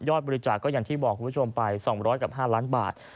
บริจาคก็อย่างที่บอกคุณผู้ชมไป๒๐๐กับ๕ล้านบาท